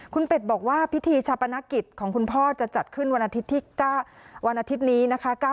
คุณเป็ดบอกว่าพิธีชัพนกิจของคุณพ่อจะจัดขึ้นวันอาทิตย์นี้นะคะ